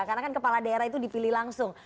karena kan kepala daerah itu dipilih langsung